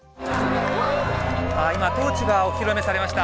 今、トーチがお披露目されました。